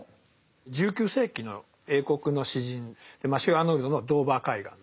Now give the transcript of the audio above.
１９世紀の英国の詩人マシュー・アーノルドの「ドーヴァー海岸」。